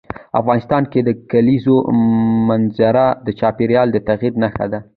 افغانستان کې د کلیزو منظره د چاپېریال د تغیر نښه ده.